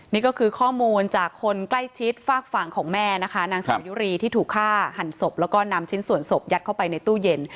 นี่ก็คือข้อมูลจากคนใกล้ชิดฝากฝั่งของแม่นะคะนางสาวยุรีที่ถูกฆ่าหันศพแล้วก็นำชิ้นส่วนศพยัดเข้าไปในตู้เย็น